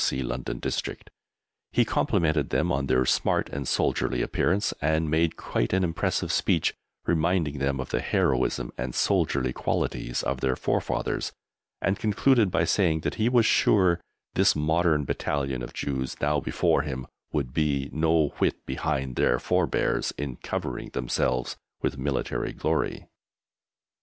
C. London District. He complimented them on their smart and soldierly appearance, and made quite an impressive speech, reminding them of the heroism and soldierly qualities of their forefathers, and concluded by saying that he was sure this modern Battalion of Jews now before him would be no whit behind their forbears in covering themselves with military glory.